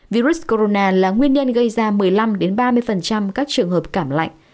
virus corona là nguyên nhân gây ra một mươi năm ba mươi các trường hợp cảm lạnh